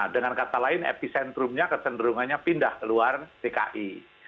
dengan kata lain epicentrumnya kecenderungannya pindah keluar dki